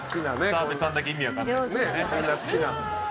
澤部さんだけ意味分からないですけどね。